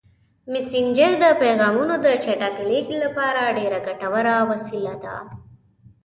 مسېنجر د پیغامونو د چټک لیږد لپاره ډېره ګټوره وسیله ده.